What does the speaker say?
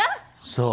そう。